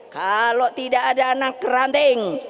kalau tidak ada anak keranting